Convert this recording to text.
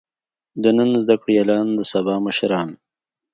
د نن زده کړيالان د سبا مشران.